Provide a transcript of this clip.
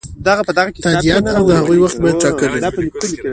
تادیات او د هغو وخت باید ټاکلی وي.